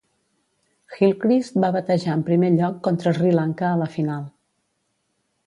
Gilchrist va batejar en primer lloc contra Sri Lanka a la final.